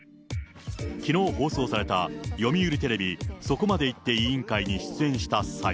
きのう放送された読売テレビ、そこまで言って委員会に出演した際。